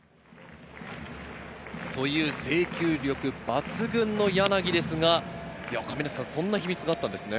制球力抜群の柳ですが、そんな秘密があったんですね。